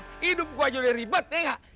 hidup gue juga ribet ya enggak